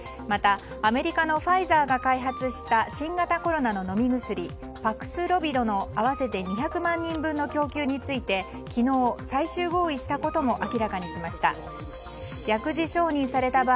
また、アメリカのファイザーが開発した新型コロナの飲み薬パクスロビドの合わせて２００万人分の供給について昨日、最終合意したことも明らかにしました。